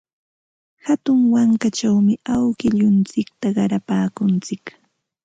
Hatun wankachawmi awkilluntsikta qarapaakuntsik.